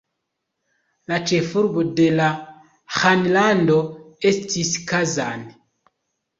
La ĉefurbo de la ĥanlando estis Kazan.